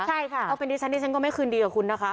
ใช่ค่ะเอาเป็นดิฉันดิฉันก็ไม่คืนดีกับคุณนะคะ